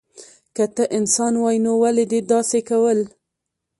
که ته انسان وای نو ولی دی داسی کول